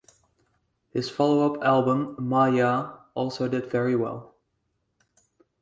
His follow-up album, "Ma Ya" also did very well.